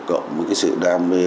cộng với cái sự đam mê